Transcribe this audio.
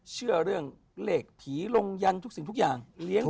เชื่อเรื่องเลขผีลงยันทุกสิ่งทุกอย่าง